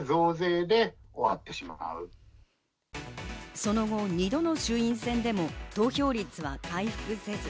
その後、２度の衆院選でも投票率は回復せず。